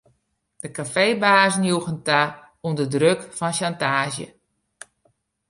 De kafeebazen joegen ta ûnder druk fan sjantaazje.